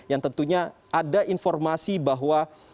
yang tentunya ada informasi bahwa